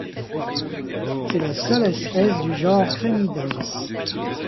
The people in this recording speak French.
C'est la seule espèce du genre Crenidens.